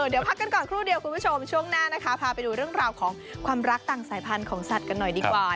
เดี๋ยวพักกันก่อนครู่เดียวคุณผู้ชมช่วงหน้านะคะพาไปดูเรื่องราวของความรักต่างสายพันธุ์ของสัตว์กันหน่อยดีกว่า